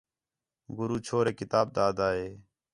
گُرو چھوریک کتاب تا آھدا ہِے